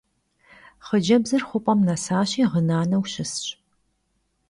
Xhıcebzır xhup'em nesaşi ğınaneu şısş.